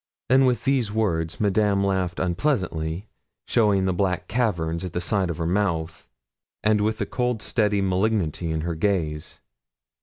And with these words Madame laughed unpleasantly, showing the black caverns at the side of her mouth, and with a cold, steady malignity in her gaze.